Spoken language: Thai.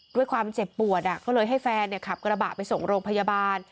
ด้วยความเจ็บปวดก็เลยให้แฟนขับกระบะไปส่งโรงพยาบาล